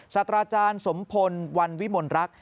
ศาสตราจารย์สมพลวันวิมลรักษ